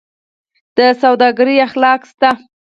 د سوداګرۍ اخلاق شته؟